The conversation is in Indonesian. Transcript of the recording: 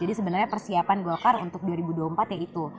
jadi sebenarnya persiapan golkar untuk dua ribu dua puluh empat ya itu